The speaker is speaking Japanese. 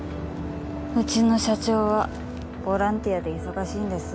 うちの社長はボランティアで忙しいんです。